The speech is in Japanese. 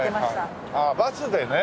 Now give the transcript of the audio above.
ああバスでね。